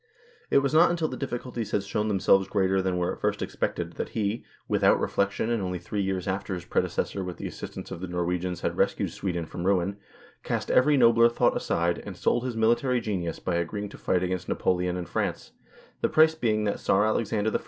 It was not until the difficulties had shown themselves greater than were at first expected that he, without reflection and 12 NORWAY AND THE UNION WITH SWEDEN only three years after his predecessor with the assistance of the Norwegians had rescued Sweden from ruin, cast every nobler thought aside, and sold his military genius by agreeing to fight against Napoleon and France, the price being that the Czar Alexander I.